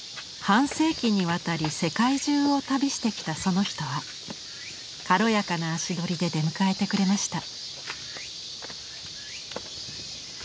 半世紀にわたり世界中を旅してきたその人は軽やかな足取りで出迎えてくれました。